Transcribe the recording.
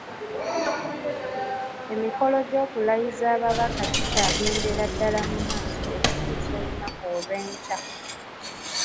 Emikolo gy’okulayiza ababaka gikyagendera ddala mu maaso okutuusa olunaku olw’enkya.